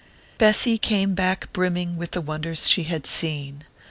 Bessy came back brimming with the wonders she had seen.